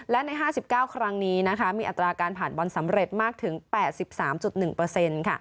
และใน๕๙ครั้งนี้มีอัตราการผ่านบอลสำเร็จมากถึง๘๓๑เปอร์เซ็นต์